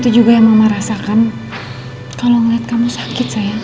itu juga yang mama rasakan kalau ngeliat kamu sakit saya